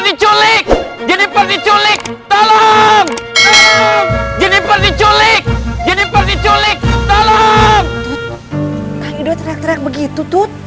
diculik jennifer diculik tolong jennifer diculik jennifer diculik tolong begitu tut